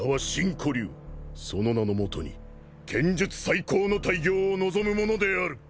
その名のもとに剣術再興の大業を望むものである。